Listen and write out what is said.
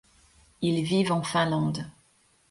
Ils vivent en Finlande.